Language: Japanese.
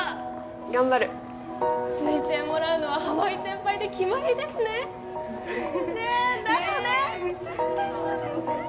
頑張る推薦もらうのは浜井先輩で決まりですねねえだよねえ